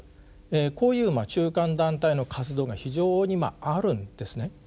こういう中間団体の活動が非常にあるんですね。